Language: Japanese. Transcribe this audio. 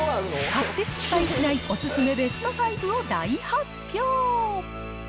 買って失敗しない、お勧めベスト５を大発表。